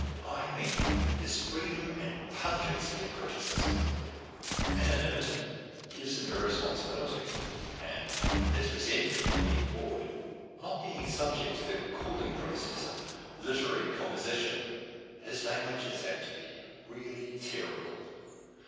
I mean his freedom and pungency of eritieism. Anonymity gi\is him irresponsibility, and, his resentment at being bored not being subject lo tlu cooling process of literary 100 PASTICHE AND PRP^JUDICE composition, liis language is apt to be really terrible.